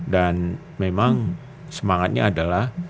dan memang semangatnya adalah